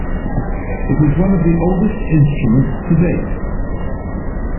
It is one of the oldest instruments to date.